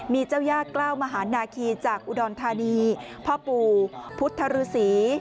มีเจ้าย่าเกล้าวมหานาคีจากอุดรธานีพ่อปู่พุทธฤษี